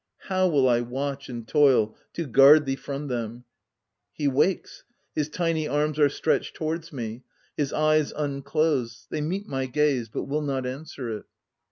How will I watch and toil to guard thee from them ! He wakes ; his tiny arms are stretched towards me ; his eyes unclose ; they meet my gaze, but will not answer it.